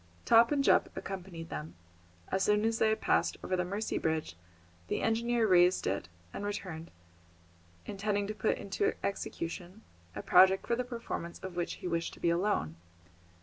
Top and Jup accompanied them. As soon as they had passed over the Mercy Bridge, the engineer raised it and returned, intending to put into execution a project for the performance of which he wished to be alone.